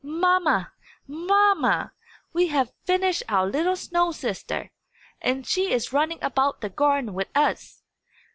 "Mamma! mamma! We have finished our little snow sister, and she is running about the garden with us!"